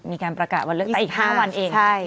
มีการประกาศวันเลือกตั้งอีก๕วันเอง